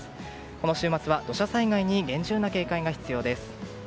この週末は土砂災害に厳重な警戒が必要です。